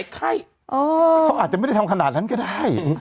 ไข้เขาอาจจะไม่ได้ทำขนาดนั้นก็ได้